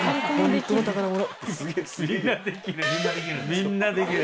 みんなできる。